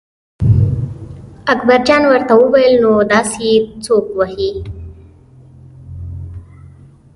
اکبرجان ورته وویل نو داسې یې څوک وهي.